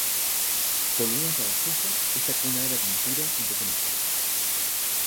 Colonia francesa esta cuna de la pintura impresionista.